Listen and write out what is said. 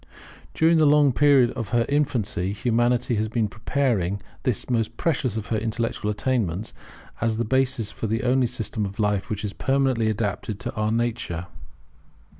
During the long period of her infancy Humanity has been preparing this the most precious of her intellectual attainments, as the basis for the only system of life which is permanently adapted to our nature.